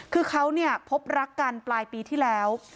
คือเขาเนี่ยพบรักกันปลายปีที่แล้ว